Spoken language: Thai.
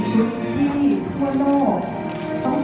สวัสดีครับทุกคน